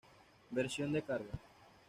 Versión de carga.